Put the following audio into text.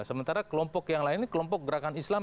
sementara kelompok yang lain ini kelompok gerakan islam